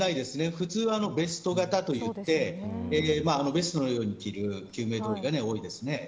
普通はベスト型といってベストのように着る救命胴衣が多いです。